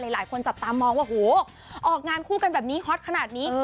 หลายคนจับตามองว่าโหออกงานคู่กันแบบนี้ฮอตขนาดนี้